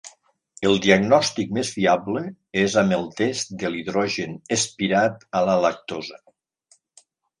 El diagnòstic més fiable és amb el test de l'hidrogen espirat a la lactosa.